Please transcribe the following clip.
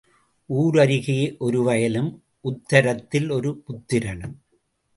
ஊர் அருகே ஒரு வயலும் உத்தரத்தில் ஒரு புத்திரனும்.